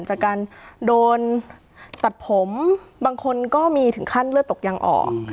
จากการโดนตัดผมบางคนก็มีถึงขั้นเลือดตกยังออก